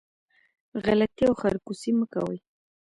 غلطي او خرکوسي مه کوئ